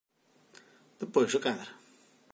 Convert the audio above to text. Despois, se cadra.